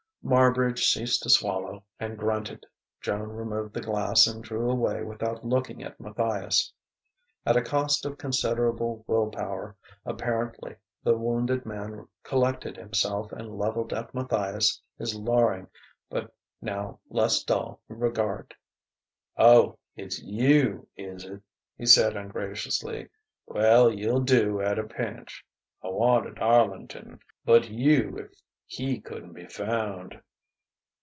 Marbridge ceased to swallow and grunted. Joan removed the glass and drew away without looking at Matthias. At a cost of considerable will power, apparently, the wounded man collected himself and levelled at Matthias his louring, but now less dull, regard. "Oh, it's you, is it?" he said ungraciously. "Well, you'll do at a pinch.... I wanted Arlington ... but you if he couldn't be found."